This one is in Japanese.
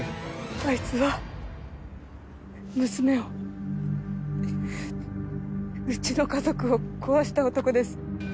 あいつは娘をうちの家族を壊した男です。